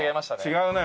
違うね。